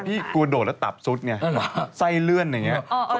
กลัวโดดแล้วตับซุดไงไส้เลื่อนอย่างนี้